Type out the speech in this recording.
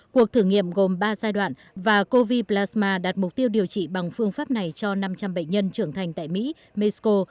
cuộc thử nghiệm gồm ba giai đoạn và covid plasma đạt mục tiêu điều trị bằng phương pháp này cho năm trăm linh bệnh nhân trưởng thành tại mỹ mexico